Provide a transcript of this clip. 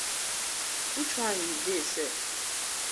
Which one yu dey sef?